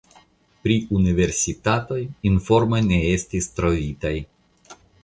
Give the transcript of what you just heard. Pri universitatoj informoj ne estis trovitaj.